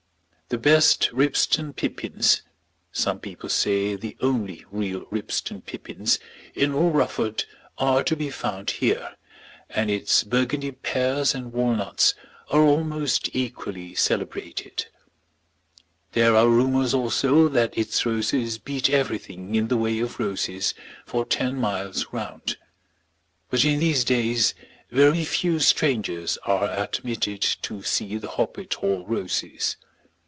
The best Ribston pippins, some people say the only real Ribston pippins, in all Rufford are to be found here, and its Burgundy pears and walnuts are almost equally celebrated. There are rumours also that its roses beat everything in the way of roses for ten miles round. But in these days very few strangers are admitted to see the Hoppet Hall roses.